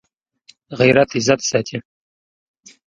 غیرت عزت ساتي